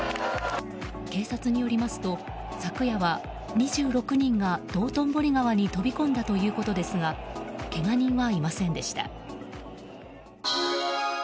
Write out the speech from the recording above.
警察によりますと昨夜は２６人が道頓堀川に飛び込んだということですがけが人はいませんでした。